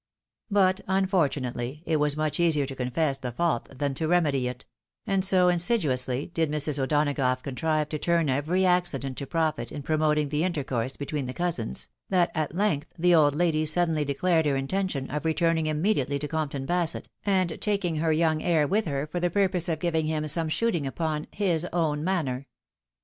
But, unfortunately, it was much easier to confess the fault than to remedy it ; and so insidiously did Mrs. O'Donagough contrive to turn every accident to profit in promoting the intercourse between the cousins, that at length the old lady suddenly declared her inten tion of returning immediately to Compton Basset, and taking her young heir with her for the purpose of giving him some shooting upon his own manor.